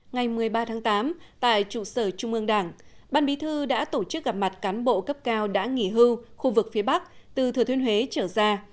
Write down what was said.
ngày một mươi ba tháng tám tại trụ sở trung ương đảng ban bí thư đã tổ chức gặp mặt cán bộ cấp cao đã nghỉ hưu khu vực phía bắc từ thừa thiên huế trở ra